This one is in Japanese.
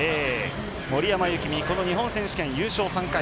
森山幸美日本選手権優勝３回。